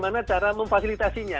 bagaimana cara memfasilitasinya